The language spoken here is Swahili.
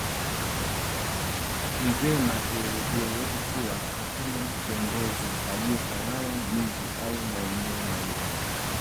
Ni vyema ieleweke kuwa hakuna kiongozi aliyetawala miji au maeneo mawili